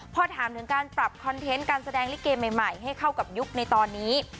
พอถามถึงการปรับคอนเทนต์การแสดงลิเกใหม่ให้เข้ากับยุคในตอนนี้